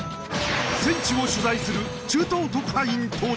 戦地を取材する中東特派員登場